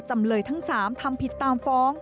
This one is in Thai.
จำเลยทั้ง๓ทำผิดตามฟ้อง